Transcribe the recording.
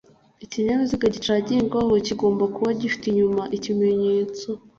ikinyabiziga kicagirwaho kigomba kuba gifite inyuma ikimenyetso